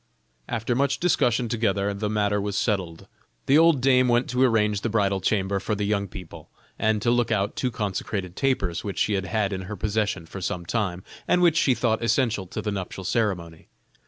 After much discussion together, the matter was settled; the old dame went to arrange the bridal chamber for the young people, and to look out two consecrated tapers which she had had in her possession for some time, and which she thought essential to the nuptial ceremony.